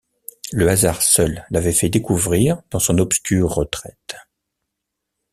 Le hasard seul l’avait fait découvrir dans son obscure retraite.